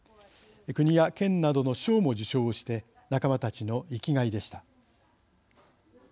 国や県などの賞も受賞して仲間たちの生きがいでした。